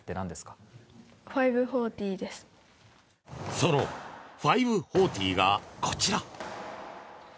その５４０がこちら。